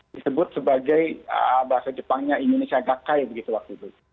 disebut sebagai bahasa jepangnya indonesia gakai begitu waktu itu